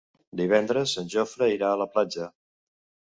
Divendres en Jofre irà a la platja.